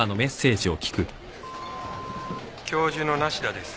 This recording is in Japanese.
教授の梨多です。